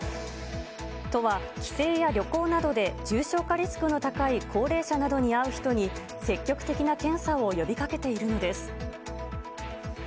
都は帰省や旅行などで重症化リスクの高い高齢者などに会う人に、積極的な検査を呼びかけているのです。